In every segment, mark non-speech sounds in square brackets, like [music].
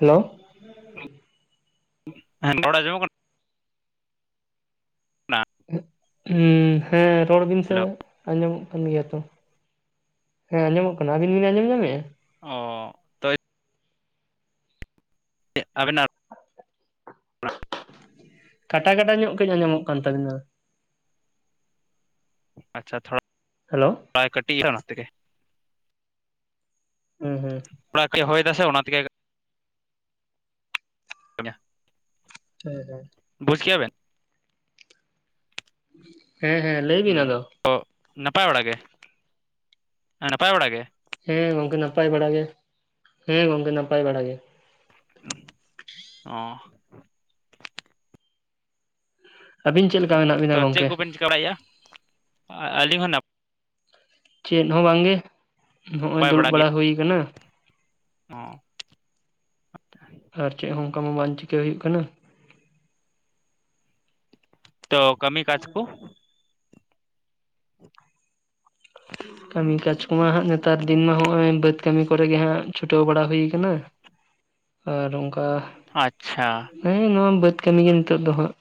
Hello ᱦᱮᱸ ᱨᱚᱲ ᱟᱸᱡᱚᱢᱚᱜ ᱠᱟᱱᱟ? ᱚᱱᱟ ᱦᱮᱸ ᱨᱚᱲ ᱵᱤᱱ ᱥᱮ, ᱟᱸᱡᱚᱢᱚᱜ ᱠᱟᱱ ᱜᱮᱭᱟ ᱛᱚ᱾ ᱦᱮᱸ ᱟᱸᱚᱢᱚᱜ ᱠᱟᱱᱟ᱾ ᱟᱵᱤᱱ ᱵᱤᱱ ᱟᱸᱚᱢ ᱧᱚᱢᱮᱜᱼᱟ? ᱚ ᱛᱚ ᱟᱵᱮᱱᱟᱜ ᱠᱟᱴᱟ ᱠᱟᱴᱟ ᱧᱚᱜ ᱠᱟᱹᱡ ᱟᱸᱡᱚᱢᱚᱜ ᱠᱟᱱ ᱛᱟᱵᱤᱱᱟ᱾ ᱟᱪᱪᱷᱟ ᱛᱷᱚᱲᱟ ᱦᱮᱞᱳ᱾ [unintelligible] ᱠᱟᱹᱴᱤᱡ ᱦᱩᱸ ᱦᱩᱸ᱾ [unintelligible] ᱦᱚᱭ ᱫᱟᱥᱮ ᱚᱱᱟ ᱛᱮᱜᱮ [unintelligible] ᱦᱮᱸ ᱦᱮᱸ᱾ ᱵᱩᱡ ᱠᱮᱜ-ᱟ ᱵᱮᱱ ᱦᱮᱸ ᱦᱮᱸ᱾ ᱞᱟᱹᱭ ᱵᱤᱱ ᱟᱫᱚ ᱦᱮᱸ ᱛᱚ ᱱᱟᱯᱟᱭ ᱵᱟᱲᱟ ᱜᱮ ᱱᱟᱯᱟᱭ ᱵᱟᱲᱟ ᱜᱮ, ᱦᱮᱸ ᱜᱚᱝᱠᱮ ᱱᱟᱯᱟᱭ ᱵᱟᱲᱟ ᱜᱮ ᱦᱮᱸ ᱜᱚᱝᱠᱮ ᱱᱟᱯᱟᱭ ᱵᱟᱲᱟ ᱜᱮ᱾ ᱚ ᱟᱹᱵᱤᱱ ᱪᱮᱫ ᱞᱮᱠᱟ ᱢᱮᱱᱟᱜ ᱵᱤᱱᱟ? ᱛᱚ ᱪᱮᱫ ᱜᱚᱝᱠᱮ ᱠᱚᱵᱮᱱ ᱪᱤᱠᱟᱹ ᱵᱟᱲᱟᱭᱮᱫ-ᱟ, ᱟᱹᱞᱤᱧ ᱦᱚᱸ ᱱᱟᱯᱟᱭ, ᱪᱮᱫ ᱦᱚᱸ ᱵᱟᱝ ᱜᱮ ᱱᱚᱜ-ᱚᱭ ᱱᱟᱯᱟᱭ ᱫᱩᱲᱩᱵ ᱜᱮ ᱵᱟᱲᱟ ᱦᱩᱭ ᱠᱟᱱᱟ᱾ ᱚ ᱾ ᱟᱨ ᱪᱮᱫ ᱦᱚᱸ ᱚᱱᱠᱟ ᱢᱟ ᱵᱟᱝ ᱪᱤᱠᱟᱹᱭ ᱦᱩᱭᱩᱜ ᱠᱟᱱᱟ᱾ ᱛᱚ ᱠᱟᱹᱢᱤ ᱠᱟᱪ ᱠᱚ [unintelligible] ᱠᱟᱹᱢᱤ ᱠᱟᱡᱽ ᱠᱚᱢᱟ ᱦᱟᱸᱜ ᱱᱮᱛᱟᱨ ᱫᱤᱱ ᱢᱟ ᱱᱚᱜ-ᱚᱭ ᱵᱟᱹᱫᱽ ᱠᱟᱹᱢᱤ ᱠᱚᱨᱮᱜ ᱜᱮ ᱦᱟᱸᱜ ᱪᱷᱩᱴᱟᱹᱣ ᱵᱟᱲᱟ ᱦᱩᱭ ᱠᱟᱱᱟ᱾ ᱟᱨ ᱚᱱᱠᱟ ᱟᱪᱪᱷᱟ᱾ ᱦᱮᱸ ᱱᱚᱣᱟ ᱵᱟᱹᱫᱽ ᱠᱟᱹᱢᱤ ᱜᱮ ᱱᱤᱛᱚᱜ ᱫᱚ ᱦᱟᱸᱜ᱾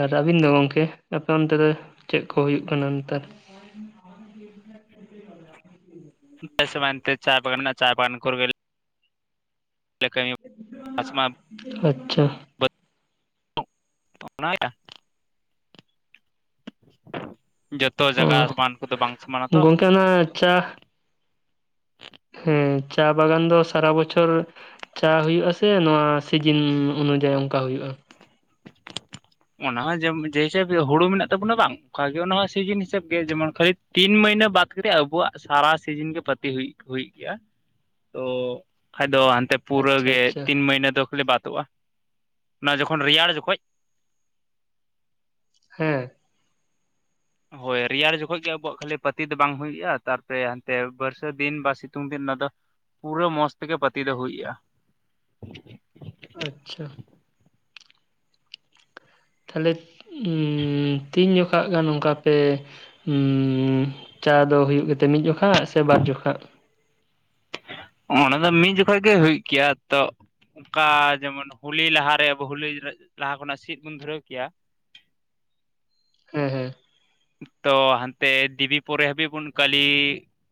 ᱟᱨ ᱟᱹᱵᱤᱱ ᱫᱚ ᱜᱚᱝᱠᱮ ᱟᱯᱮ ᱚᱱᱛᱮ ᱫᱚ ᱪᱮᱫ ᱠᱚ ᱦᱩᱭᱩᱜ ᱠᱟᱱᱟ ᱱᱮᱛᱟᱨ? [unintelligible] ᱪᱟᱭ ᱵᱟᱜᱟᱱ ᱪᱟᱭ ᱵᱟᱜᱟᱱ ᱠᱚ [unintelligible] ᱵᱟᱥ ᱢᱟ ᱟᱪᱪᱷᱟ᱾ [unintelligible] ᱡᱚᱛᱚ ᱡᱟᱭᱜᱟ ᱚ ᱟᱥᱚᱢᱟᱱ ᱠᱚᱫᱚ ᱵᱟᱝ ᱥᱚᱢᱟᱱᱟ ᱛᱚ᱾ [inaudible] ᱦᱮᱸ ᱪᱟ ᱵᱟᱜᱟᱱ ᱫᱚ ᱥᱟᱨᱟ ᱵᱚᱪᱷᱚᱨ ᱪᱟ ᱦᱩᱭᱩᱜ-ᱟ ᱥᱮ ᱱᱚᱣᱟ ᱥᱤᱡᱤᱱ ᱚᱱᱩᱡᱟᱭᱤ ᱚᱱᱠᱟ ᱦᱩᱭᱩᱜ-ᱟ᱾ ᱚᱱᱟ ᱦᱚᱸ ᱡᱮᱢ ᱡᱮ ᱦᱤᱥᱟᱹᱵ ᱦᱩᱲᱩ ᱢᱮᱱᱟᱜ ᱛᱟᱵᱚᱱᱟ ᱵᱟᱝ ᱚᱱᱠᱟᱜᱮ ᱚᱱᱟ ᱦᱚᱸ ᱥᱤᱡᱤᱱ ᱦᱤᱥᱟᱹᱵ ᱜᱮ ᱡᱮᱢᱚᱱ ᱠᱷᱟᱹᱨᱤᱫ ᱛᱤᱱ ᱢᱟᱹᱦᱱᱟᱹ ᱵᱟᱫ [inaudible] ᱟᱵᱚᱣᱟᱜ ᱥᱟᱨᱟ ᱥᱤᱡᱤᱱ ᱜᱮ ᱯᱟᱹᱛᱤ ᱦᱩᱭ ᱜᱮᱭᱟ᱾ ᱛᱚ ᱠᱷᱟᱡ ᱫᱚ ᱦᱟᱱᱛᱮ ᱯᱩᱨᱟᱹ ᱟᱪᱪᱷᱟ ᱜᱮ ᱟᱪᱪᱷᱟ ᱛᱤᱱ ᱢᱟᱹᱭᱱᱟᱹ ᱫᱚ ᱠᱷᱟᱹᱞᱤ ᱵᱟᱫᱚᱜ-ᱟ ᱚᱱᱟ ᱡᱚᱠᱷᱚᱱ ᱨᱮᱭᱟᱲ ᱡᱚᱠᱷᱚᱡ᱾ ᱦᱮᱸ, ᱦᱳᱭ ᱨᱮᱭᱟᱲ ᱡᱚᱠᱷᱚᱡ ᱜᱮ ᱟᱵᱚᱣᱟᱜ ᱠᱷᱟᱹᱞᱤ ᱯᱟᱹᱛᱤ ᱫᱚ ᱵᱟᱝ ᱦᱩᱭᱩᱜ-ᱟ᱾ ᱛᱟᱨᱯᱚᱨᱮ ᱦᱟᱱᱛᱮ ᱵᱟᱹᱨᱥᱟᱹ ᱫᱤᱱ ᱵᱟ ᱥᱤᱛᱩᱝ ᱫᱤᱱ ᱚᱱᱟ ᱫᱚ ᱯᱩᱨᱟᱹ ᱢᱚᱸᱡᱽ ᱛᱮᱜᱮ ᱯᱟᱹᱛᱤ ᱫᱚ ᱦᱩᱭᱜ-ᱟ᱾ [unintelligible] ᱟᱪᱪᱷᱟ᱾ ᱛᱟᱦᱞᱮ ᱛᱤᱱ ᱡᱚᱠᱷᱟᱜ ᱜᱟᱱ ᱚᱱᱠᱟ ᱯᱮ ᱪᱟ ᱫᱚ ᱦᱩᱭᱩᱜ ᱜᱮᱛᱮ ᱢᱤᱫ ᱡᱚᱠᱷᱟ ᱥᱮ ᱵᱟᱨ ᱡᱚᱠᱷᱟ? ᱚᱱᱟ ᱫᱚ ᱢᱤᱫ ᱡᱚᱠᱷᱚᱟ ᱜᱮ ᱦᱩᱭᱩᱜ ᱜᱮᱭᱟ ᱛᱚ, ᱚᱱᱠᱟ ᱡᱮᱢᱚᱱ ᱦᱳᱞᱤ ᱞᱟᱦᱟᱨᱮ ᱟᱵᱚ ᱦᱳᱞᱤ ᱞᱟᱦᱟ ᱠᱷᱚᱱᱟᱜ ᱥᱤᱫ ᱵᱚᱱ ᱫᱷᱩᱨᱟᱹᱣ ᱠᱮᱭᱟ, ᱦᱮᱸ ᱦᱮᱸ ᱛᱚ ᱦᱟᱱᱛᱮ ᱫᱮᱵᱤ ᱯᱚᱨᱮ ᱦᱟᱹᱵᱤᱡ ᱵᱚᱱ ᱠᱷᱞᱤᱼᱼ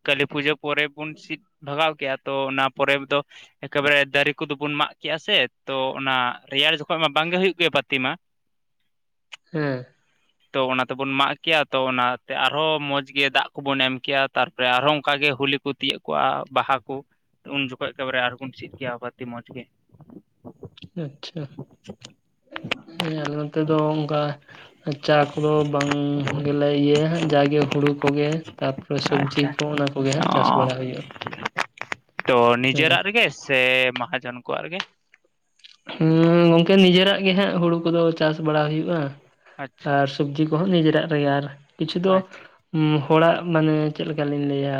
ᱠᱟᱹᱞᱤ ᱯᱩᱡᱟᱹ ᱯᱚᱨᱮ ᱵᱚᱱ ᱥᱤᱫ ᱵᱷᱟᱜᱟᱣ ᱠᱼᱟ ᱛᱚ ᱚᱱᱟ ᱯᱚᱨᱮ ᱫᱚ, ᱮᱠᱟᱵᱮ ᱫᱟᱨᱮ ᱠᱩᱫᱩ ᱵᱚᱱ ᱢᱟᱜ ᱠᱮᱜᱼᱟ ᱥᱮ ᱛᱚ ᱚᱱᱟ ᱨᱮᱭᱟᱲ ᱡᱚᱠᱷᱚᱜ ᱢᱟ ᱵᱟᱝᱜᱮ ᱦᱩᱭᱩᱜ ᱜᱮᱭᱟ ᱯᱟᱹᱛᱤ ᱢᱟ᱾ ᱦᱮᱸ ᱛᱚ ᱚᱱᱟ ᱛᱮᱵᱚᱱ ᱢᱟᱜᱼᱼ ᱠᱮᱭᱟ ᱛᱚ ᱚᱱᱟᱛᱮ ᱟᱨᱦᱚᱸ ᱢᱚᱡᱽ ᱜᱮ ᱫᱟᱜ ᱠᱚᱵᱚᱱ ᱮᱢ ᱠᱮᱭᱟ ᱛᱟᱨᱯᱚᱨᱮ ᱟᱨᱦᱚᱸ ᱚᱱᱠᱟ ᱜᱮ ᱦᱚᱳᱞᱤ ᱠᱚ ᱛᱤᱭᱟᱹᱜ ᱠᱚᱣᱟᱣ ᱵᱟᱦᱟ ᱠᱩ ᱩᱱ ᱡᱚᱠᱷᱚᱡ ᱮᱠᱮᱵᱟᱨᱮ ᱟᱨᱦᱚᱵᱚᱱ ᱥᱤᱫ ᱠᱮᱭᱟ ᱵᱟᱨᱛᱤ ᱢᱚᱸᱡᱽ ᱜᱮ᱾ ᱟᱪᱪᱷᱟ ᱦᱮᱸ ᱟᱞᱮ ᱱᱚᱛᱮ ᱫᱚ ᱚᱱᱠᱟ, ᱪᱟ ᱠᱚᱫᱚ ᱵᱟᱝ ᱜᱮᱞᱮ ᱤᱭᱟᱹᱭᱟ ᱦᱟᱸᱜ ᱡᱟᱜᱮ ᱦᱩᱲᱩ ᱠᱚᱜᱮ᱾ ᱛᱟᱯᱚᱨᱮ ᱥᱚᱵᱡᱤ ᱟᱪᱪᱷᱟ ᱠᱚ ᱚᱱᱟ ᱠᱚᱜᱮ ᱦᱟᱜ ᱪᱟᱥ ᱚ ᱵᱟᱲᱟ ᱦᱩᱭᱩᱜᱼᱟ ᱛᱚ ᱦᱮᱸᱦᱮᱸ᱾ ᱱᱤᱡᱮᱨᱟᱜ ᱨᱮᱜᱮ ᱥᱮ ᱢᱟᱦᱟᱡᱚᱱ ᱠᱚᱣᱟᱜ ᱨᱮᱜᱮ᱾ ᱦᱩᱸ ᱜᱚᱝᱠᱮ ᱱᱤᱡᱮᱨᱟᱜ ᱜᱮ ᱦᱟᱸᱜ ᱦᱩᱲᱩ ᱠᱚᱫᱚ ᱪᱟᱥ ᱵᱟᱲᱟ ᱦᱩᱭᱩᱜᱼᱟ ᱟᱪᱪᱷᱟ ᱟᱨ, ᱥᱚᱵᱡᱤ ᱠᱚᱦᱚᱸ ᱱᱤᱡᱮᱨᱟᱜ ᱨᱮᱜᱮ ᱟᱨ ᱠᱤᱪᱷᱩ ᱫᱚ, ᱟᱪᱪᱷᱟ ᱦᱩᱸ ᱦᱚᱲᱟᱜ ᱢᱟᱱᱮ ᱪᱮᱜᱠᱟᱞᱤᱧ ᱞᱟᱹᱭᱟ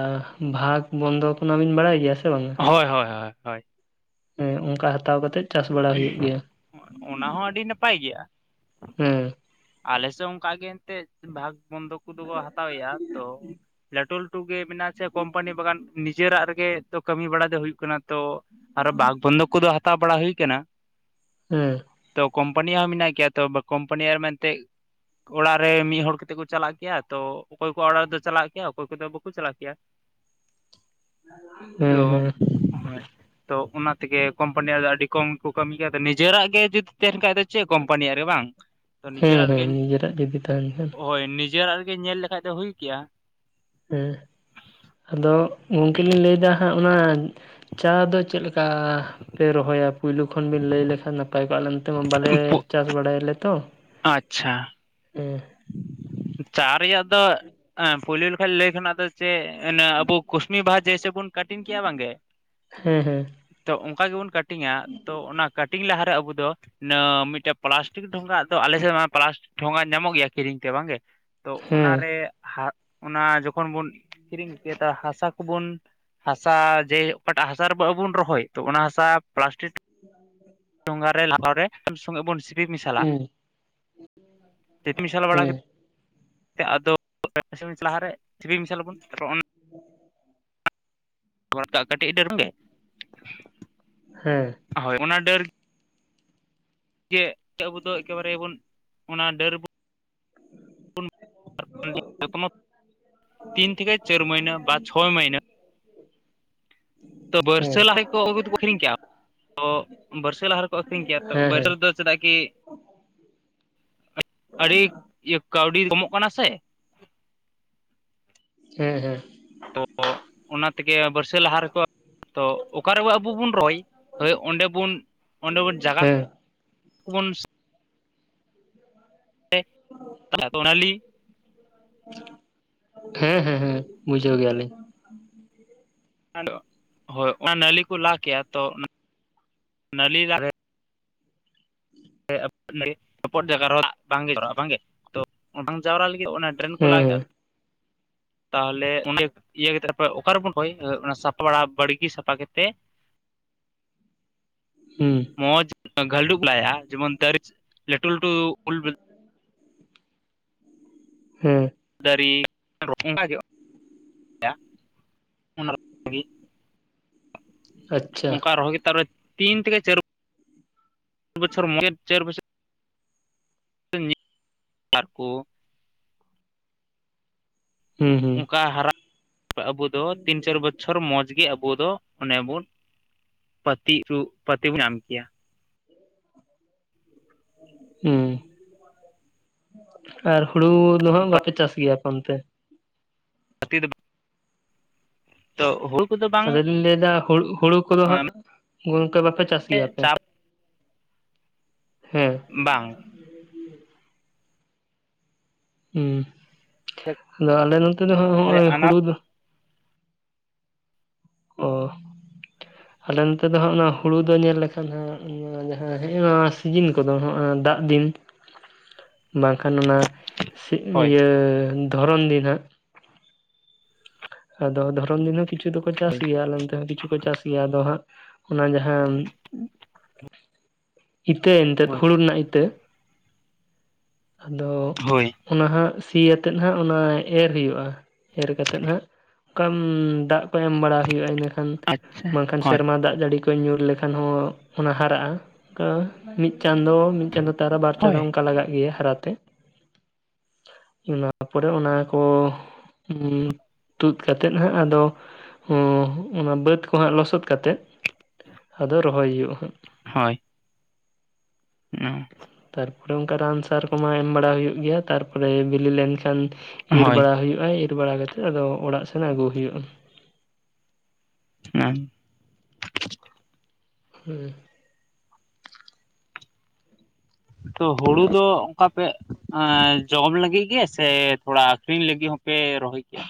ᱵᱷᱟᱜᱽ ᱵᱚᱱᱫᱚᱠ ᱚᱱᱟᱵᱤᱱ ᱵᱟᱲᱟᱭ ᱜᱮᱭᱟ ᱥᱮ ᱵᱟᱝ-ᱟ? ᱦᱳᱭ ᱦᱚᱭ ᱦᱚᱭ ᱦᱳᱭ, ᱮᱸ ᱚᱱᱠᱟ ᱦᱟᱛᱟᱣ ᱠᱟᱛᱮᱫ ᱪᱟᱥ ᱵᱟᱲᱟ ᱦᱩᱭᱩᱜ ᱜᱮᱭᱟ᱾ ᱚᱱᱟ ᱦᱚᱸ ᱟᱹᱰᱤ ᱱᱟᱯᱟᱭ ᱜᱮᱭᱟ᱾ ᱦᱮ ᱟᱞᱮᱥᱮᱫ ᱦᱚ ᱚᱱᱠᱟ ᱜᱮ ᱮᱱᱛᱮᱫ ᱵᱷᱟᱜᱽ ᱵᱚᱱᱫᱚᱠ ᱠᱩᱫᱚ ᱠᱚ ᱦᱟᱛᱟᱣᱮᱭᱟ ᱛᱚ, ᱞᱟᱹᱴᱩ ᱞᱟᱹᱴᱩ ᱜᱮ ᱢᱮᱱᱟᱜ ᱟ ᱥᱮ ᱠᱳᱢᱯᱟᱱᱤ ᱵᱟᱜᱟᱱ ᱱᱤᱡᱮᱨᱟᱜ ᱨᱮᱜᱮ ᱛᱚ ᱠᱟᱹᱢᱤ ᱵᱟᱲᱟ ᱫᱚ ᱦᱩᱭᱩᱜ ᱠᱟᱱᱟ᱾ ᱛᱚ ᱟᱨᱚ ᱵᱟᱜᱽ ᱵᱚᱱᱫᱚᱠ ᱠᱚᱫᱚ ᱦᱟᱛᱟᱣ ᱵᱟᱲᱟ ᱦᱩᱭ ᱠᱟᱱᱟ᱾ ᱦᱮᱸ ᱛᱚ ᱠᱳᱢᱯᱟᱱᱤᱭ ᱦᱚᱸ ᱢᱮᱱᱟᱜ ᱠᱮᱭᱟ ᱛᱚ ᱠᱳᱢᱯᱟᱱᱤᱭ ᱟᱨ ᱢᱮᱱᱛᱮᱜ, ᱚᱲᱟᱜ ᱨᱮ ᱢᱤᱜ ᱦᱚᱲ ᱠᱟᱛᱮᱜ ᱠᱩ ᱪᱟᱞᱟᱜ ᱠᱮᱭᱟ ᱛᱚ ᱚᱠᱚᱭ ᱠᱩᱣᱟᱜ ᱚᱲᱟᱜ ᱨᱮᱫᱚ ᱪᱟᱞᱟᱜ ᱠᱮᱭᱟ ᱚᱠᱚᱭ ᱠᱚᱫᱚ ᱵᱟᱠᱩ ᱪᱟᱞᱟᱜ ᱠᱮᱭᱟ᱾ [unintelligible] ᱛᱚ ᱦᱮᱸ ᱦᱮᱸ [unintelligible] ᱛᱚ ᱚᱱᱟ ᱛᱮᱜᱮ ᱠᱳᱢᱯᱟᱱᱤᱭᱟᱜ ᱨᱮ ᱟᱹᱰᱤ ᱠᱚᱢ ᱠᱩ ᱠᱟᱹᱢᱤ ᱜᱮᱭᱟ ᱱᱤᱡᱮᱨᱟᱜ ᱜᱮ ᱡᱩᱫᱤ ᱛᱟᱦᱮᱱ ᱠᱷᱟᱡ ᱫᱚ ᱪᱮᱜ ᱠᱳᱢᱯᱟᱱᱤᱭᱟᱜ ᱨᱮ ᱵᱟᱝ? ᱛᱚ ᱦᱮᱸ ᱱᱤᱡᱮᱨᱟᱜ ᱦᱮᱸ ᱨᱤᱜᱤᱧ ᱱᱤᱡᱮᱨᱟᱜ ᱡᱩᱫᱤ ᱛᱟᱦᱮᱱ ᱠᱷᱟᱱ ᱦᱳᱭ ᱱᱤᱡᱮᱨᱟᱜ ᱨᱮᱜᱤ ᱧᱮᱞ ᱞᱮᱠᱷᱟᱡ ᱫᱚ ᱦᱩᱭ ᱠᱮᱭᱟ᱾ ᱦᱮᱸ ᱟᱫᱚ ᱜᱚᱝᱠᱮ ᱞᱤᱧ ᱞᱮᱹᱭᱫᱟ ᱦᱟᱸᱜ ᱚᱱᱟ ᱪᱟ ᱫᱚ ᱪᱮᱫ ᱞᱮᱠ ᱠᱟᱻ ᱯᱮ ᱨᱚᱦᱚᱭᱟ ᱯᱩᱭᱞᱩ ᱠᱷᱚᱱ ᱵᱤᱱ ᱞᱮᱹᱭ ᱞᱮᱠᱷᱟᱱ ᱱᱟᱯᱟᱭ ᱠᱚᱜᱼᱟ ᱟᱞᱮ ᱱᱚᱛᱮ ᱢᱟ ᱵᱟᱞᱮ ᱪᱟᱥ ᱵᱟᱲᱟᱭᱟᱞᱮ ᱛᱚ᱾ ᱟᱪᱪᱷᱟ᱾ ᱩᱦ ᱪᱟ ᱨᱮᱭᱟᱜ ᱫᱚ ᱟᱸ ᱯᱩᱭᱞᱳ ᱞᱮᱠᱷᱟᱡ ᱞᱮᱹᱭ ᱠᱷᱚᱱᱟᱜ ᱫᱚ ᱪᱮᱜ, ᱮᱱᱮ ᱟᱵᱚ ᱠᱩᱥᱱᱤ ᱵᱟᱦᱟ ᱡᱮᱥᱮ ᱵᱚᱱ ᱠᱟᱴᱤᱱ ᱠᱮᱭᱟ ᱵᱟᱝᱜᱮ, ᱦᱮᱸ ᱦᱮᱸ᱾ ᱛᱚ ᱚᱝᱠᱟ ᱜᱮᱵᱚᱱ ᱠᱟᱴᱤᱝᱟ ᱛᱚ ᱚᱱᱟ ᱠᱟᱴᱤᱝ ᱞᱟᱦᱟᱨᱮ ᱟᱵᱚ ᱫᱚ, ᱤᱱᱟᱹ ᱢᱤᱜᱴᱮᱹᱜ ᱯᱮᱞᱟᱥᱴᱤᱠ ᱰᱷᱚᱸᱜᱟᱜ ᱫᱚ ᱟᱞᱮᱥᱮᱜ ᱢᱟ ᱯᱞᱟᱥᱴᱤᱠ ᱰᱷᱚᱸᱜᱟ ᱧᱟᱢᱚᱜ ᱜᱮᱭᱟ ᱠᱤᱨᱤᱧ ᱛᱮ ᱵᱟᱝᱜᱮ᱾ ᱛᱚ ᱚᱱᱟᱨᱮ ᱦᱮᱸ ᱦᱟᱜ ᱚᱱᱟ ᱡᱚᱠᱷᱚᱱ ᱵᱚᱱ ᱠᱤᱨᱤᱧ ᱠᱮᱫᱟ ᱦᱟᱥᱟ ᱠᱩᱵᱚᱱ, ᱦᱟᱥᱟ ᱡᱮ ᱚᱠᱟᱴᱟᱜ ᱦᱟᱥᱟ ᱨᱮᱵ ᱟᱵᱩ ᱵᱚᱱ ᱨᱚᱦᱚᱭ ᱛᱚ ᱚᱱᱟ ᱦᱟᱥᱟ ᱯᱞᱟᱥᱴᱤᱴ, [inaudible] ᱴᱷᱳᱸᱜᱟ ᱨᱮ [inaudible] ᱨᱮ [inaudible] ᱥᱚᱸᱜᱮ ᱜᱮᱵᱚᱱ ᱥᱤᱯᱤ ᱢᱮᱥᱟᱞᱟ ᱥᱤᱯᱤ ᱢᱮᱥᱟᱞ ᱦᱮᱸ ᱵᱟᱲᱟ [inaudible] ᱞᱟᱦᱟᱨᱮ ᱥᱤᱯᱤ ᱢᱮᱥᱟᱞ ᱟᱵᱚᱱ [inaudible] [inaudible] [inaudible] ᱠᱟᱹᱴᱤᱜ ᱤᱰᱟᱹᱝᱜᱮ᱾ ᱦᱮᱸ᱾ ᱦᱳᱭ, ᱚᱱᱟ ᱰᱟᱹᱨ ᱡᱮ ᱟᱵᱚ ᱫᱚ ᱮᱠᱮᱵᱟᱨᱮ ᱵᱚᱱ ᱚᱱᱟ ᱰᱟᱹᱨ ᱵᱚ [unintelligible] ᱡᱚᱛᱽᱱᱚ ᱛᱤᱱ ᱛᱷᱮᱠᱮ ᱪᱟᱹᱨ ᱢᱟᱹᱭᱱᱟᱹ ᱵᱟᱫ, ᱪᱷᱚ ᱢᱟᱹᱭᱱᱟᱹ᱾ ᱛᱚ ᱵᱟᱹᱨᱥᱟᱹ ᱦᱮᱸ ᱞᱟᱦᱟᱜᱮᱠᱚ ᱟᱹᱜᱩ ᱫᱚᱠᱚ ᱟᱹᱠᱷᱨᱤᱧ ᱠᱮᱜᱼᱟ ᱛᱚ ᱵᱟᱹᱨᱥᱟᱹ ᱞᱟᱦᱟ ᱨᱮᱠᱚ ᱟᱹᱠᱷᱨᱤᱧ ᱠᱮᱜᱼᱟ ᱛᱚ ᱦᱮᱸ ᱵᱟᱹᱨᱥᱟᱹ ᱦᱮᱸ ᱨᱮ ᱫᱚ ᱪᱮᱫᱟᱜ ᱠᱤ ᱟᱹᱰᱤ ᱤᱭᱟᱹ ᱠᱟᱹᱣᱰᱤ ᱠᱚᱢᱚᱜ ᱠᱟᱱᱟ ᱥᱮ᱾ ᱦᱮᱸ ᱦᱮᱸ᱾ ᱛᱚ ᱚᱱᱟ ᱛᱮᱜᱮ ᱵᱟᱹᱨᱥᱟᱹ ᱞᱟᱦᱟ ᱨᱮᱠᱚ ᱛᱚ ᱚᱠᱟᱨᱮᱵᱚ ᱟᱵᱩ ᱵᱩᱱ ᱨᱚᱭ, ᱦᱳᱭ ᱚᱸᱰᱮ ᱵᱩᱱ ᱚᱸᱰᱮ ᱵᱩᱱ ᱡᱟᱜᱟᱛ ᱦᱮᱸ ᱠᱩ ᱵᱚᱱᱥ ᱛᱮ [unintelligible] ᱚᱱᱟᱞᱤ ᱦᱮᱸ ᱦᱮᱸ ᱦᱮᱸ, ᱵᱩᱡᱷᱟᱹᱣ ᱜᱮᱭᱟᱞᱤᱧ ᱾ ᱟᱫᱚ ᱦᱳᱭ ᱚᱱᱟ ᱱᱟᱹᱞᱤ ᱠᱚ ᱞᱟ ᱠᱮᱜᱼᱟ ᱛᱚ, ᱱᱟᱹᱞᱤ [unintelligible] [unintelligible] ᱡᱟᱭᱜᱟ ᱨᱮᱦᱚᱸ ᱫᱟᱜ ᱵᱟᱝᱜᱮ ᱡᱚᱨᱟᱜᱼᱟ ᱵᱟᱝᱜᱮ ᱛᱚ ᱚᱱᱟᱝ ᱡᱟᱣᱨᱟ ᱞᱟᱹᱜᱤᱫ ᱫᱚ ᱚᱱᱟ ᱰᱨᱮᱱ ᱠᱚ ᱞᱟᱭ ᱠᱮᱜ [inaudible] ᱛᱟᱦᱚᱞᱮ ᱚᱱ ᱤᱭᱟᱹᱠ ᱤᱭᱟᱹ ᱠᱟᱛᱮ ᱛᱟᱯᱚᱨᱮ ᱚᱠᱟᱨᱮᱵᱚᱱ ᱠᱚᱭ ᱚᱱᱟ ᱥᱟᱯᱞᱟ ᱵᱟᱲᱜᱤ ᱥᱟᱯᱷᱟ ᱠᱟᱛᱮ ᱦᱩᱸ᱾ ᱢᱚᱸᱡᱽ ᱜᱷᱟᱹᱞᱰᱩ ᱠᱩ ᱞᱟᱭᱟ ᱡᱮᱢᱚᱱ ᱛᱟᱨᱤᱡ ᱞᱟᱹᱴᱩ ᱞᱟᱹᱴᱩ ᱩᱞ ᱵᱤ ᱦᱮᱸ᱾ ᱫᱟᱨᱤ [unintelligible] ᱚᱝᱠᱟ ᱡᱚᱜᱼᱟ [unintelligible] ᱚᱱᱟᱜᱤ᱾ ᱟᱪᱪᱷᱟ ᱚᱝᱠᱟ ᱨᱚᱦᱚᱭ [unintelligible] ᱨᱮ ᱛᱤᱱ ᱛᱷᱮᱠᱮ ᱪᱟᱹᱨ ᱵᱚᱪᱷᱚᱨ [unintelligible] ᱪᱟᱹᱨ ᱵᱚᱪᱷᱚᱨ᱾ ᱟᱨ ᱠᱩ᱾ ᱦᱩᱸ ᱦᱩᱸ ᱚᱝᱠᱟ ᱦᱟᱨᱟ ᱟᱵᱩ ᱫᱚ ᱛᱤᱱ ᱪᱟᱹᱨ ᱵᱚᱪᱪᱷᱚᱨ ᱢᱚᱸᱡᱽ ᱜᱮ ᱟᱵᱩ ᱫᱚ ᱚᱱᱮ ᱵᱚᱱ ᱯᱟᱹᱛᱤ ᱪᱩᱜ ᱯᱟᱹᱛᱤ ᱵᱚᱱ ᱧᱟᱢ ᱠᱮᱭᱟ᱾ ᱦᱩᱸ, ᱟᱨ ᱦᱩᱲᱩ ᱫᱚ ᱦᱟᱸᱜ ᱵᱟᱯᱮ ᱪᱟᱥ ᱜᱮᱭᱟ ᱟᱯᱮ ᱚᱱᱛᱮ? [unintelligible] ᱫᱚ ᱛᱚ ᱦᱩᱲᱩ ᱠᱚᱫᱚ ᱵᱟᱝ ᱟᱫᱚ ᱞᱤᱧ ᱞᱟᱹᱭᱫᱟ ᱦᱩᱲᱩ ᱦᱩᱲᱩ ᱠᱚᱫᱚ ᱦᱟᱸᱜ ᱚᱝᱠᱟ ᱵᱟᱯᱮ ᱪᱟᱥ ᱜᱮᱭᱟ ᱟᱯᱮ, ᱪᱟᱯ ᱦᱮᱸ᱾ ᱵᱟᱝ᱾ ᱦᱩᱸ, ᱟᱫᱚ ᱟᱞᱮ ᱱᱚᱛᱮ ᱫᱚᱦᱚᱜ ᱟᱱᱟᱴ ᱦᱩᱲᱩ ᱫᱚ ᱚ ᱟᱞᱮ ᱱᱚᱛᱮ ᱫᱚ ᱦᱟᱸᱜ ᱱᱚᱣᱟ ᱦᱩᱲᱩ ᱫᱚ ᱧᱮᱞ ᱞᱮᱠᱷᱟᱱ ᱦᱟᱸᱜ ᱱᱚᱣᱟ ᱡᱟᱦᱟᱸ ᱦᱮᱜ-ᱮ ᱱᱟ ᱥᱤᱡᱤᱱ ᱠᱚᱫᱚ ᱚᱱᱟ ᱫᱟᱜ ᱫᱤᱱ ᱵᱟᱝᱠᱷᱟᱱ ᱢᱟ ᱦᱳᱭ ᱥᱤᱭᱟᱹ ᱫᱷᱚᱨᱚᱱ ᱫᱤᱱ ᱦᱟᱸᱜ ᱟᱫᱚ ᱫᱷᱚᱨᱚᱱ ᱫᱤᱱ ᱦᱚᱸ ᱠᱤᱪᱷᱩ ᱫᱚᱠᱚ ᱪᱟᱥ ᱦᱳᱭ ᱜᱮᱭᱟ ᱱᱚᱱᱛᱮ ᱦᱚᱸ ᱠᱤᱪᱷᱩ ᱠᱚ ᱪᱟᱥ ᱤᱭᱟᱹ ᱟᱫᱚ ᱦᱟᱜ, ᱚᱱᱟ ᱡᱟᱦᱟᱸ ᱤᱛᱟᱹ ᱮᱱᱛᱮᱫ ᱦᱩᱲᱩ ᱨᱮᱱᱟᱜ ᱤᱛᱟᱹ ᱟᱫᱚ ᱦᱳᱭ ᱚᱱᱟ ᱦᱟᱸᱜ ᱥᱤᱭᱟᱛᱮᱫ ᱦᱟᱸᱜ ᱚᱱᱟ ᱮᱨ ᱦᱩᱭᱩᱜᱼᱟ, ᱮᱨ ᱠᱟᱛᱮᱱ ᱦᱟᱸᱜ ᱠᱟᱢ ᱫᱟᱜ ᱠᱚ ᱮᱢ ᱵᱟᱲᱟ ᱦᱩᱭᱩᱜᱼᱟ, ᱤᱱᱟᱹᱠᱷᱟᱱ ᱟᱪᱪᱷᱟ᱾ ᱵᱟᱝᱠᱷᱟᱱ ᱦᱳᱭ ᱥᱮᱨᱢᱟ ᱫᱟᱜ ᱡᱟᱹᱲᱤ ᱠᱚᱭ ᱧᱩᱨ ᱞᱮᱠᱷᱟᱱ ᱦᱚᱸ ᱚᱱᱟ ᱦᱟᱨᱟᱜ-ᱟ᱾ ᱠᱟ ᱢᱤᱱ ᱪᱟᱸᱫᱚ ᱢᱤᱱ ᱪᱟᱸᱫᱳ ᱛᱟᱨᱟ ᱵᱟᱨ ᱪᱟᱸᱫᱚ ᱦᱳᱭ ᱚᱱᱠᱟ ᱞᱟᱜᱟᱜ ᱜᱮᱭᱟ ᱦᱟᱨᱟᱛᱮ᱾ ᱚᱱᱟ ᱯᱚᱨᱮ ᱚᱱᱟ ᱠᱚ ᱦᱩᱸᱻ ᱛᱩᱫ ᱠᱟᱛᱮᱫ ᱦᱟᱸᱜ ᱟᱫᱚ ᱦᱚᱸ ᱚᱱᱟ ᱵᱟᱹᱫᱽ ᱠᱚ ᱦᱟᱸᱜ ᱞᱚᱥᱚᱫ ᱠᱟᱛᱮᱫ ᱟᱫᱚ ᱨᱚᱦᱚᱭ ᱦᱩᱭᱩᱜᱼᱟ ᱦᱟᱸᱜ ᱦᱳᱭ᱾ [unintelligible] ᱛᱟᱨᱯᱚᱨᱮ ᱚᱱᱠᱟ ᱨᱟᱱ ᱥᱟᱨ ᱠᱚᱢᱟ ᱮᱢ ᱵᱟᱲᱟ ᱦᱩᱭᱩᱜ ᱜᱮᱭᱟ ᱛᱟᱨᱯᱚᱨᱮ ᱵᱤᱞᱤ ᱞᱮᱱᱠᱷᱟᱱ ᱤᱨ ᱦᱳᱭ ᱵᱟᱲᱟ ᱦᱩᱭᱩᱜᱼᱟ ᱤᱨ ᱵᱟᱲᱟ ᱠᱟᱛᱮᱜ ᱟᱫᱚ ᱚᱲᱟᱜ ᱥᱮᱱ ᱟᱹᱜᱩ ᱦᱩᱭᱩᱜᱼᱟ᱾ ᱦᱮᱸ ᱦᱚᱸᱻ ᱛᱚ ᱦᱩᱲᱩ ᱫᱚ ᱚᱱᱠᱟ ᱯᱮ ᱮᱸᱻ ᱡᱚᱢ ᱞᱟᱹᱜᱤᱫ ᱜᱮ ᱥᱮ ᱛᱷᱚᱲᱟ ᱟᱹᱠᱷᱨᱤᱧ ᱞᱟᱹᱜᱤᱫ ᱦᱚᱸᱯᱮ ᱨᱚᱦᱚᱭ ᱠᱮᱭᱟ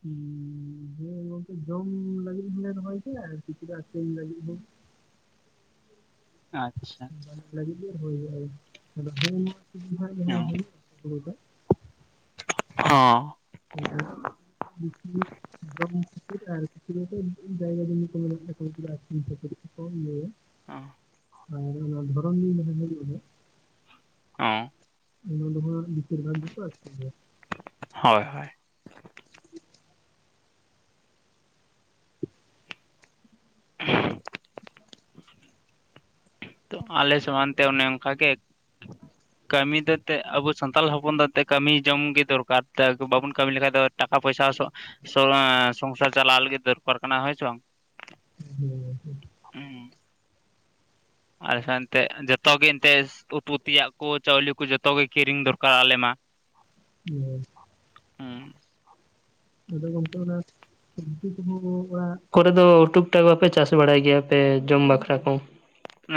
ᱦᱩᱸ ᱦᱮᱸ ᱜᱚᱝᱠᱮ ᱡᱚᱢ ᱞᱟᱹᱜᱤᱫ ᱦᱚᱞᱮ ᱨᱚᱦᱚᱭ ᱜᱮᱭᱟ ᱠᱤᱪᱷᱩ ᱫᱚ ᱟᱹᱠᱷᱨᱤᱧ ᱞᱟᱹᱜᱤᱫ ᱦᱚᱸ ᱟᱪᱪᱷᱟ ᱞᱟᱹᱜᱤᱫ ᱜᱮ ᱨᱚᱦᱚᱭ ᱦᱩᱭᱩᱜᱼᱟ᱾ ᱟᱫᱚ ᱱᱚᱜᱼᱚᱭ ᱱᱚᱣᱟ ᱛᱤᱥ ᱠᱷᱚᱱᱟᱜ ᱜᱮ ᱦᱟᱸᱜ ᱚᱸ᱾ ᱟᱫᱷᱩᱱᱤᱠ ᱦᱩᱲᱩ ᱫᱚ ᱦᱚᱸᱻ [unintelligible] ᱟᱫᱚ ᱦᱟᱸᱜ ᱯᱷᱤᱨ ᱟᱨ ᱵᱷᱤᱛᱨᱤ ᱨᱮ ᱡᱟᱭᱜᱟ ᱡᱩᱢᱤ ᱠᱚ ᱢᱮᱱᱟᱜ ᱛᱟᱠᱚᱣᱟ ᱩᱱᱠᱩ ᱫᱚ ᱟᱹᱠᱷᱨᱤᱧᱟ ᱠᱟᱹᱴᱤᱡ ᱠᱚᱢ ᱜᱮ ᱚᱸ ᱟᱫᱚ ᱫᱷᱚᱨᱚᱱᱤ [unintelligible] ᱚᱸᱻ ᱦᱟᱱᱟ ᱱᱷᱟᱣᱟ ᱵᱤᱪᱟᱹᱨ ᱠᱟᱱ ᱛᱟᱠᱚᱣᱟ ᱥᱮ ᱪᱮᱫ ᱦᱳᱭ ᱦᱳᱭ [inaudible] ᱛᱚ ᱦᱟᱸᱜ ᱟᱞᱮ ᱥᱚᱢᱟᱱ ᱛᱮ ᱚᱱᱮ ᱚᱱᱠᱟ ᱜᱮ [inaudible] ᱠᱟᱹᱢᱤ ᱫᱚ ᱮᱱᱛᱮᱜ ᱟᱵᱚ ᱥᱟᱱᱛᱟᱞ ᱦᱚᱯᱚᱱ ᱫᱚ ᱛᱮᱫ ᱠᱟᱹᱢᱤ ᱡᱚᱝ ᱜᱮ ᱫᱚᱨᱠᱟᱨ ᱛᱮ ᱟᱵᱚ ᱵᱟᱵᱚᱱ ᱠᱟᱹᱢᱤ ᱞᱮᱠᱷᱟᱡ ᱫᱚ ᱴᱟᱠᱟ ᱯᱚᱭᱥᱟ ᱦᱚᱸᱥᱚᱜ ᱥᱚᱨᱟ ᱥᱚᱝᱥᱟᱨ ᱪᱟᱞᱟᱣ ᱞᱟᱹᱜᱤᱫ ᱫᱚᱨᱠᱟᱨ ᱠᱟᱱᱟ ᱦᱳᱭ ᱥᱮ ᱵᱟᱝ ᱦᱮᱸ [inaudible] ᱩᱸ᱾ ᱟᱞᱮ ᱫᱚ ᱮᱱᱛᱮᱜ ᱡᱚᱛᱚ ᱜᱮ ᱮᱱᱛᱮᱜ ᱩᱛᱩ ᱛᱮᱭᱟᱜ ᱠᱚ ᱪᱟᱹᱣᱞᱤ ᱠᱚ ᱡᱚᱛᱚ ᱜᱮ ᱠᱤᱨᱤᱧ ᱫᱚᱨᱠᱟᱨ ᱟᱞᱮ ᱢᱟ ᱦᱮᱸ ᱦᱮᱸᱻ ᱟᱫᱚ ᱜᱚᱢᱠᱮ ᱚᱱᱟ [unintelligible] ᱚᱲᱟᱜ ᱠᱚᱨᱮ ᱫᱚ ᱩᱴᱩᱠ-ᱴᱟᱠ ᱵᱟᱯᱮ ᱪᱟᱥ ᱵᱟᱲᱟᱭ ᱜᱮᱭᱟᱯᱮ ᱡᱚᱢ ᱵᱟᱠᱷᱨᱟ ᱠᱚ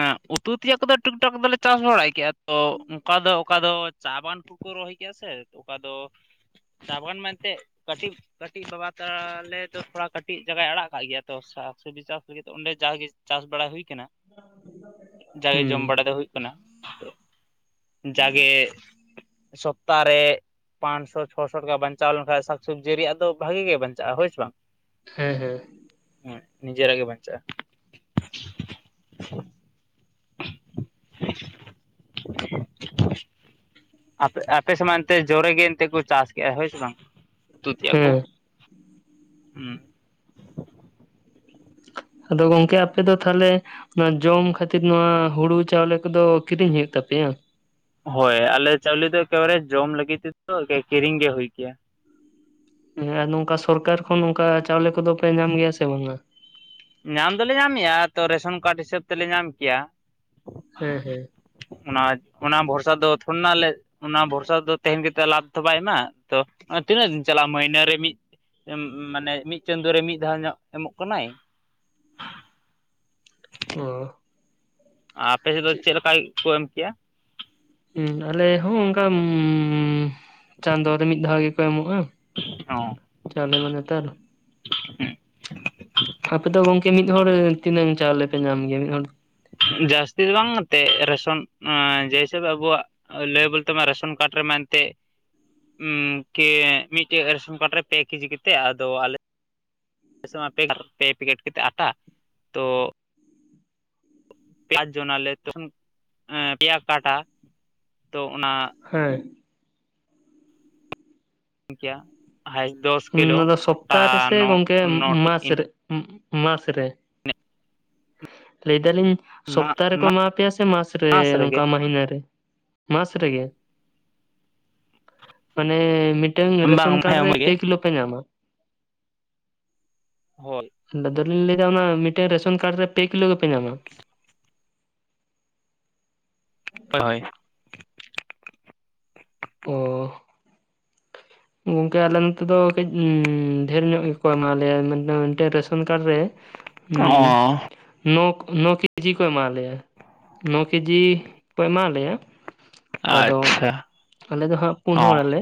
ᱮᱸᱻ ᱩᱛᱩ ᱛᱮᱭᱟᱜ ᱠᱚᱫᱚ ᱴᱩᱠ-ᱴᱟᱠ ᱫᱚᱞᱮ ᱪᱟᱥ ᱵᱟᱲᱟᱭ ᱛᱚ ᱚᱱᱠᱟ ᱫᱚ ᱚᱠᱟ ᱫᱚ ᱪᱟ ᱵᱟᱝ ᱩᱛᱩ ᱠᱚ ᱨᱚᱦᱚᱭ ᱠᱮᱭᱟ ᱥᱮ ᱚᱠᱟ ᱫᱚ ᱪᱟᱣᱟᱱ ᱢᱮᱱᱛᱮᱫ ᱠᱟᱹᱴᱤᱡ ᱠᱟᱹᱴᱤᱡ ᱵᱟᱵᱟ ᱛᱟᱞᱮ ᱫᱚ ᱛᱷᱚᱲᱟ ᱠᱟᱹᱴᱤᱡ ᱡᱟᱜᱟᱭ ᱟᱲᱟᱜ ᱠᱟᱜ ᱜᱮᱭᱟ ᱛᱚ ᱥᱟᱨ ᱥᱚᱵᱽᱡᱤ ᱪᱟᱥ ᱞᱟᱹᱜᱤᱫ ᱚᱸᱰᱮ ᱡᱟᱣᱜᱮ ᱪᱟᱥ ᱵᱟᱲᱟ ᱦᱩᱭ ᱠᱟᱱᱟ᱾ ᱡᱟᱜᱮ ᱦᱩᱸ ᱡᱚᱢ ᱵᱟᱲᱟ ᱫᱚ ᱦᱩᱭᱩᱜ ᱠᱟᱱᱟ᱾ ᱡᱟᱜᱮ ᱥᱚᱯᱛᱟ ᱨᱮ ᱯᱟᱸᱪᱥᱚ ᱪᱷᱚᱥᱚ ᱴᱟᱠᱟ ᱵᱟᱧᱪᱟᱣ ᱞᱮᱱᱠᱷᱟᱱ ᱥᱟᱠ ᱥᱚᱵᱽᱡᱤ ᱨᱮᱭᱟᱜ ᱫᱚ ᱵᱷᱟᱹᱜᱤ ᱜᱮ ᱵᱟᱧᱪᱟᱜᱼᱟ ᱦᱳᱭ ᱥᱮ ᱵᱟᱝ ᱦᱮᱸ ᱦᱮᱸ᱾ ᱦᱳᱭ ᱱᱤᱡᱮᱨᱟᱜ ᱜᱮ ᱵᱟᱧᱪᱟᱜᱼᱟ᱾ [inaudible] [inaudible] ᱟᱯᱮ ᱟᱯᱮ ᱥᱮᱫ ᱢᱟ ᱮᱱᱛᱮᱜ ᱡᱚᱨᱮ ᱜᱮ ᱮᱱᱛᱮᱜ ᱠᱚ ᱪᱟᱥ ᱠᱮᱫᱼᱟ ᱦᱳᱭ ᱥᱮ ᱵᱟᱝ ᱛᱩᱫ ᱠᱮᱫ ᱟᱠᱚ ᱦᱮᱸ ᱦᱩᱸ ᱾ ᱟᱫᱚ ᱜᱚᱝᱠᱮ ᱟᱯᱮ ᱫᱚ ᱛᱷᱟᱞᱮ ᱚᱱᱟ ᱡᱚᱢ ᱠᱷᱟᱹᱛᱤᱨ ᱱᱚᱶᱟ ᱦᱩᱲᱩ ᱪᱟᱣᱞᱮ ᱠᱚᱫᱚ ᱠᱤᱨᱤᱧ ᱦᱩᱭᱩᱜ ᱛᱟᱯᱮᱭᱟ? ᱦᱳᱭ ᱟᱞᱮ ᱪᱟᱣᱞᱮ ᱫᱚ ᱮᱠᱮᱵᱟᱨᱮ ᱡᱚᱢ ᱞᱟᱹᱜᱤᱫ ᱛᱮᱫᱚ ᱮᱠᱮ ᱠᱤᱨᱤᱧ ᱜᱮ ᱦᱩᱭ ᱠᱮᱭᱟ᱾ ᱦᱮᱸ ᱟᱨ ᱱᱚᱝᱠᱟ ᱥᱚᱨᱠᱟᱨ ᱠᱷᱚᱱ ᱱᱚᱝᱠᱟ ᱪᱟᱣᱞᱮ ᱠᱚᱫᱚ ᱯᱮ ᱧᱟᱢ ᱜᱮᱭᱟ ᱥᱮ ᱵᱟᱝᱟ? ᱧᱟᱢ ᱫᱚᱞᱮ ᱧᱟᱢᱮᱜᱼᱟ ᱛᱚ ᱨᱮᱥᱚᱱ ᱠᱟᱨᱰ ᱦᱤᱥᱟᱹᱵᱽ ᱛᱮᱞᱮ ᱧᱟᱢ ᱠᱮᱭᱟ᱾ ᱦᱮᱸ ᱦᱮᱸ᱾ ᱚᱱᱟ ᱚᱱᱟ ᱵᱷᱚᱨᱥᱟ ᱫᱚ ᱛᱷᱚᱲᱤ ᱱᱟᱜ ᱞᱮ ᱚᱱᱟ ᱵᱷᱚᱨᱥᱟ ᱨᱮᱫᱚ ᱛᱮᱦᱮᱱ ᱠᱟᱛᱮᱫ ᱞᱟᱵᱷ ᱛᱚ ᱵᱟᱭ ᱮᱢᱟ, ᱛᱚ ᱛᱤᱱᱟᱹᱜ ᱫᱤᱱ ᱪᱟᱞᱟᱜᱼᱟ? ᱢᱟᱹᱭᱱᱟᱹ ᱨᱮ ᱢᱤᱫ ᱮᱸ ᱢᱟᱱᱮ ᱢᱤᱫ ᱪᱟᱸᱫᱳ ᱨᱮ ᱢᱤᱫ ᱫᱷᱟᱣ ᱧᱚᱜ ᱮᱢᱚᱜ ᱠᱟᱱᱟᱭ᱾ ᱚᱦ᱾ ᱟᱯᱮ ᱥᱮᱫ ᱫᱚ ᱪᱮᱫ ᱞᱮᱠᱟᱭ ᱠᱚ ᱮᱢ ᱠᱮᱭᱟ? ᱦᱩᱸ ᱟᱞᱮ ᱦᱚᱸ ᱚᱱᱠᱟ ᱩᱸᱻ ᱪᱟᱸᱫᱳ ᱨᱮ ᱢᱤᱫ ᱫᱷᱟᱣ ᱜᱮᱠᱚ ᱮᱢᱚᱜᱼᱟ᱾ ᱚᱸ᱾ ᱪᱟᱣᱞᱮ ᱢᱟ ᱱᱮᱛᱟᱨ ᱟᱯᱮ ᱫᱚ ᱜᱚᱝᱠᱮ ᱢᱤᱫ ᱦᱚᱲ ᱛᱤᱱᱟᱹᱝ ᱪᱟᱣᱞᱮ ᱯᱮ ᱧᱟᱢ ᱜᱮᱭᱟ ᱢᱤᱫ ᱦᱚᱲ? ᱡᱟᱹᱥᱛᱤ ᱫᱚ ᱵᱟᱝ ᱛᱮ ᱨᱮᱥᱚᱱ ᱮᱸ ᱡᱮ ᱦᱤᱥᱟᱹᱵᱽ ᱟᱵᱚᱣᱟᱜ ᱞᱟᱹᱭ ᱵᱳᱞᱛᱮ ᱢᱟ ᱨᱮᱥᱚᱱ ᱠᱟᱨᱰ ᱨᱮᱢᱟ ᱮᱱᱛᱮᱜ ᱩᱸ ᱠᱮ ᱢᱤᱫᱴᱮᱡ ᱨᱮᱥᱚᱱ ᱠᱟᱨᱰ ᱨᱮ ᱯᱮ ᱠᱮᱡᱤ ᱠᱟᱛᱮᱜ, ᱟᱫᱚ ᱟᱞᱮ ᱟᱞᱮ ᱥᱮᱜ ᱢᱟ [unintelligible] ᱯᱮ ᱯᱮᱠᱮᱴ ᱠᱟᱛᱮ ᱟᱴᱟ ᱛᱚ ᱯᱮᱭᱟ ᱡᱚᱱᱟᱞᱮ ᱛᱚᱠᱷᱚᱱ ᱯᱮᱭᱟ ᱠᱟᱴᱟ, ᱛᱚ ᱚᱱᱟ ᱦᱮᱸ᱾ ᱮᱢ ᱠᱮᱭᱟ᱾ [unintelligible] ᱫᱚᱥ ᱠᱤᱞᱳ ᱚᱱᱟ ᱫᱚ ᱟᱴᱟ ᱥᱚᱯᱛᱟ ᱨᱮᱥᱮ ᱱᱚ ᱜᱚᱝᱠᱮ ᱩᱸ ᱱᱚᱴᱤ ᱢᱟᱥ ᱨᱮ? ᱩᱸ ᱢᱟᱥᱨᱮ ᱞᱟᱹᱭ ᱫᱟᱞᱤᱧ ᱢᱟ ᱥᱚᱯᱛᱟ ᱨᱮᱠᱚ ᱢᱟ ᱮᱢᱟ ᱯᱮᱭᱟ ᱥᱮ ᱢᱟᱥ ᱨᱮ? ᱱᱚᱝᱠᱟ ᱢᱟᱹᱭᱱᱟᱹ ᱨᱮ ᱢᱟᱥ ᱨᱮᱜᱮ ᱢᱟᱱᱮ ᱢᱤᱫ ᱴᱟᱹᱝ ᱵᱟᱝ ᱨᱮᱥᱚᱱ ᱠᱟᱨᱰ ᱦᱮᱸ ᱨᱮ ᱢᱚᱡᱽ ᱯᱮ ᱜᱮ ᱠᱤᱞᱳ ᱯᱮ ᱧᱟᱢᱟ? ᱦᱚᱭ᱾ ᱟᱞᱮ ᱫᱚᱞᱤᱧ ᱞᱟᱹᱭᱫᱟ ᱚᱱᱟ ᱢᱤᱫᱴᱮᱱ ᱨᱮᱥᱚᱱ ᱠᱟᱨᱰ ᱨᱮ ᱯᱮ ᱠᱤᱞᱳ ᱜᱮᱯᱮ ᱧᱟᱢᱟ? ᱦᱳᱭ ᱦᱳᱭ᱾ ᱚᱻ᱾ ᱜᱚᱝᱠᱮ ᱟᱞᱮ ᱱᱚᱛᱮ ᱫᱚ ᱠᱟᱹᱡ ᱩᱸ ᱰᱷᱮᱨ ᱧᱚᱜ ᱜᱮᱠᱚ ᱮᱢᱟ ᱞᱮᱭᱟ᱾ ᱢᱤᱫᱴᱮᱱ ᱨᱮᱥᱚᱱ ᱠᱟᱨᱰ ᱨᱮ ᱦᱩᱸ ᱚ ᱱᱚᱠ ᱱᱚ ᱠᱮᱡᱤ ᱠᱚ ᱮᱢᱟᱣᱟᱞᱮᱭᱟ, ᱱᱚ ᱠᱮᱡᱤ ᱠᱚ ᱮᱢᱟᱣᱟᱞᱮᱭᱟ᱾ ᱟᱫᱚ ᱟᱪᱪᱷᱟ ᱟᱞᱮ ᱫᱚ ᱦᱟᱸᱜ ᱯᱩᱱ ᱚ ᱦᱚᱲ ᱟᱞᱮ᱾